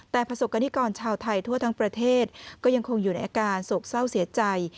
แต่ประสบกรณิกรชาวไทยทั่วทั้งประเทศก็ยังคงอยู่ในอาการโศกเศร้าเสียใจ